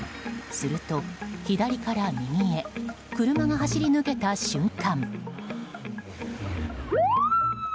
すると、左から右へ車が走り抜けた瞬間。